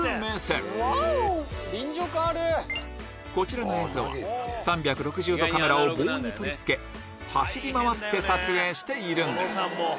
こちらの映像は３６０度カメラを棒に取り付け走り回って撮影しているんです